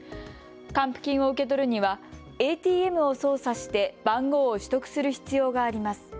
還付金を受け取るにはＡＴＭを操作して番号を取得する必要があります。